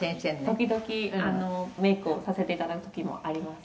「時々メイクをさせていただく時もあります」